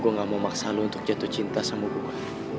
gua gak mau maksa lu untuk jatuh cinta sama gua